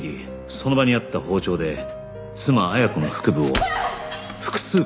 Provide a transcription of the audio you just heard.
その場にあった包丁で妻綾子の腹部を複数回刺して殺害